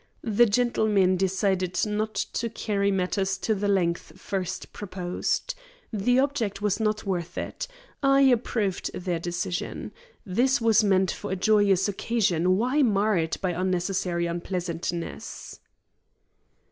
"The gentlemen decided not to carry matters to the length first proposed. The object was not worth it. I approved their decision. This was meant for a joyous occasion. Why mar it by unnecessary unpleasantness?"